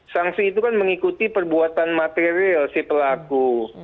sanksi itu kan mengikuti perbuatan material si pelaku